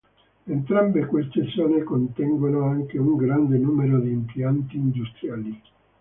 Entrambe queste zone contengono anche un grande numero di impianti industriali.